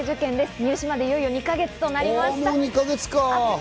入試までいよいよ２か月となりました。